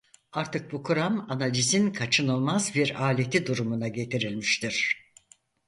Artık bu kuram analizin kaçınılmaz bir aleti durumuna getirilmiştir.